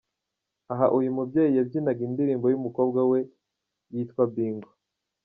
Aha uyu mubyeyi yabyinaga indirimbo y'umukobwa we yitwa Bingo.